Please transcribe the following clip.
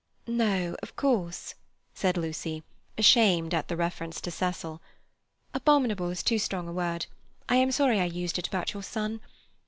"No, of course," said Lucy, ashamed at the reference to Cecil. "'Abominable' is much too strong. I am sorry I used it about your son.